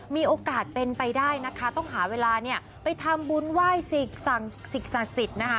มีโอกาสเป็นไปได้นะคะต้องหาเวลาเนี่ยไปทำบุญไหว้สิ่งศักดิ์สิทธิ์นะคะ